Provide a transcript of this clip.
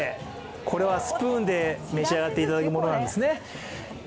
これはスプーンで召し上がっていくものなんですね。